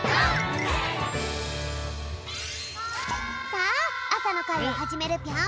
さああさのかいをはじめるぴょん！